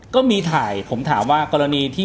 ก็มีถ่ายผมถามว่ากรณีที่